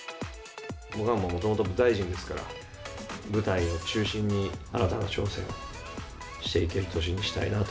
僕はもともと舞台人ですから、舞台を中心に、新たな挑戦をしていける年にしたいなと。